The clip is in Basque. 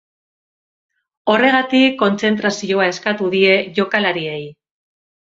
Horregatik kontzentrazioa eskatu die jokalariei.